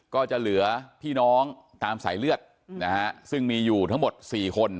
ก็จะเหลือพี่น้องตามสายเลือดนะฮะซึ่งมีอยู่ทั้งหมด๔คน